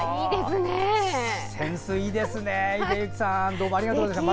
センスいいですね、秀行さん。どうもありがとうございました。